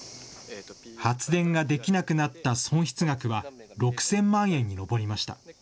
発電ができなくなった損失額は６０００万円に上りました。